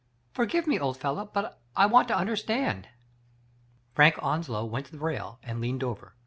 Forgive me, old fellow, but I want to understand." Frank Onslow went to the rail, and leaned over.